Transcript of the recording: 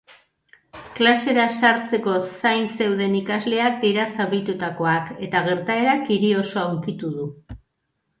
Klasera sartzeko zain zeuden ikasleak dira zauritutakoak eta gertaerak hiri osoa hunkitu du.